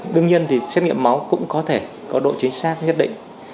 đương nhiên thì xét nghiệm máu cũng có thể có độ chính xác nhất định